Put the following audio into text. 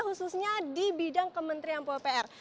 khususnya di bidang kementerian pembeli upr